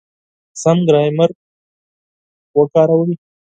سم ګرامر وکاروئ!.